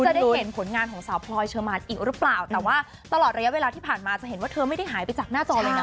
จะได้เห็นผลงานของสาวพลอยเชอร์มานอีกหรือเปล่าแต่ว่าตลอดระยะเวลาที่ผ่านมาจะเห็นว่าเธอไม่ได้หายไปจากหน้าจอเลยนะ